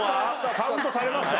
カウントされますか？